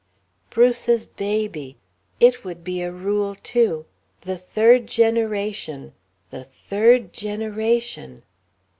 Bruce's baby! It would be a Rule, too.... the third generation, the third generation.